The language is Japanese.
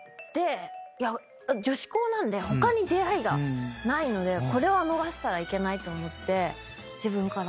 女子校なんで他に出会いがないのでこれは逃したらいけないと思って。